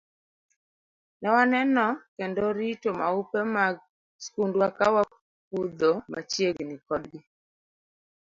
Ne waneno kendo rito maupe mag skundwa ka wapudho machiegni kodgi.